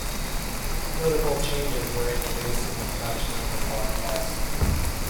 Notable changes were introduced in the production of the telecast.